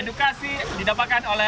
dan sebelum memulai kegiatan